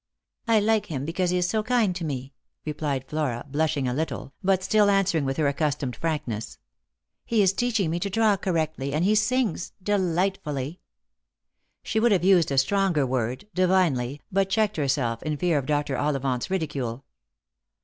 " I like him because he is so kind to me," replied Flora, blush ing a little, but still answering with her accustomed frankness. " He is teaching me to draw correctly, and he sings — delight fully." She would have used a stronger word — divinely — but checked herself, in fear of Dr. Ollivant's ridicule.